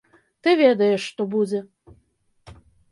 Ты ведаеш, што будзе.